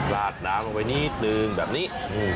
ลาดน้ำลงไปนิดนึงแบบนี้